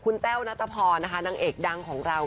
คุณแต้วนัตรพรนะคะนางเอกดังของเรา